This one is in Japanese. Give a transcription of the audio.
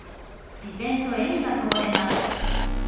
自然と笑みがこぼれます。